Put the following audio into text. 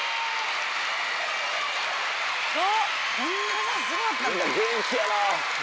こんなにすごかったんだ。